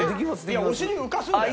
お尻浮かすんだよ。